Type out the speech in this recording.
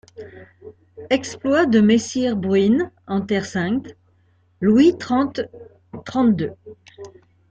Exploits de messire Bruyn en Terre-Saincte Louis trente trente-deux.